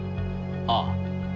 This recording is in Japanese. ああ。